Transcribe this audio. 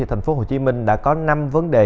thành phố hồ chí minh đã có năm vấn đề